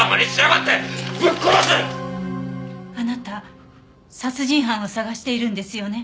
あなた殺人犯を探しているんですよね？